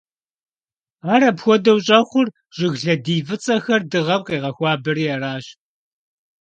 Ар апхуэдэу щӀэхъур, жыг лъэдий фӀыцӀэхэр дыгъэм къегъэхуабэри аращ.